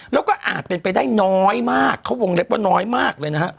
แล้วก็อาจเป็นไปได้น้อยมากเขาวงเล็บว่าน้อยมากเลยนะฮะ